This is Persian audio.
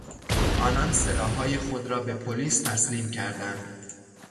آنان سلاحهای خود را به پلیس تسلیم کردند.